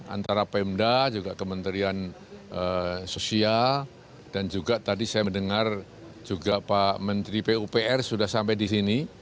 antara pemda juga kementerian sosial dan juga tadi saya mendengar juga pak menteri pupr sudah sampai di sini